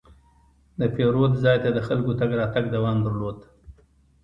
د پیرود ځای ته د خلکو تګ راتګ دوام درلود.